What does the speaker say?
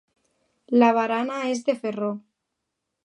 La barana és de ferro.